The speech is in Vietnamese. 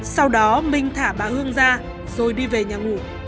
sau đó minh thả bà hương ra rồi đi về nhà ngủ